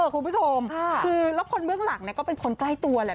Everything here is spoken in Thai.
คนพ่อฮูและผู้หลักก็คือใกล้ตัว